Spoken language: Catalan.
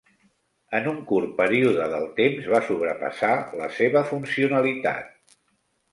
En un curt període del temps va sobrepassar la seva funcionalitat.